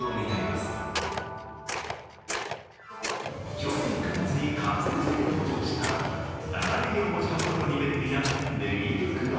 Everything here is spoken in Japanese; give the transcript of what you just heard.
去年９月にカプセルトイで登場した長ねぎを持ち運ぶのに便利なねぎ袋。